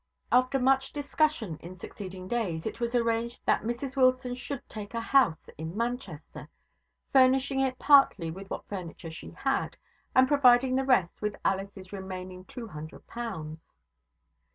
After much discussion in succeeding days, it was arranged that Mrs Wilson should take a house in Manchester, furnishing it partly with what furniture she had, and providing the rest with Alice's remaining two hundred pounds.